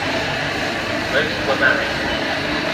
Most were married.